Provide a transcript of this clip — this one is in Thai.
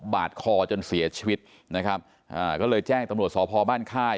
บาดคอจนเสียชีวิตนะครับอ่าก็เลยแจ้งตำรวจสพบ้านค่าย